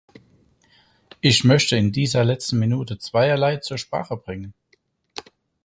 Ich möchte in dieser letzten Minute zweierlei zur Sprache bringen.